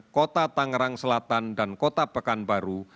kota tangerang selatan dan kota pekanbaru